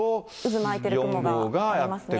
渦巻いている雲がありますね。